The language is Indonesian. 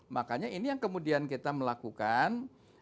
makanya ini yang kemudian kita melakukan